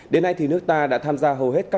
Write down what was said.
đến nay thì nước ta đã tham gia hầu hết các công ước